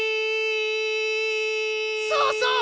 そうそう！